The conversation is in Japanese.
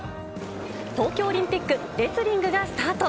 東京オリンピック、レスリングがスタート。